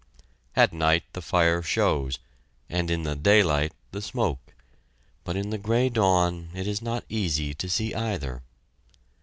At night the fire shows, and in the daylight, the smoke, but in the gray dawn it is not easy to see either.